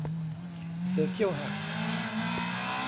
เสือเขี้ยวหัก